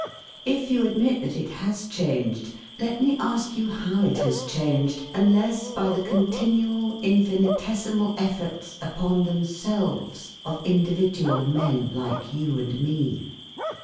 If you admit that it has changed, let me ask you how it has changed, unless by the continual infinitesimal efforts, upon themselves, of individual men, like you and me.